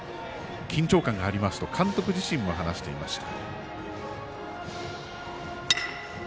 緊張感がありますと監督自身も話していました。